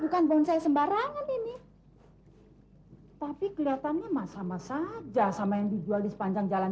bukan bonsai sembarangan ini tapi kelihatannya sama saja sama yang dijual di sepanjang jalan